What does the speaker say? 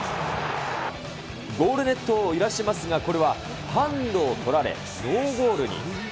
ゴールネットを揺らしますが、これはハンドを取られ、ノーゴールに。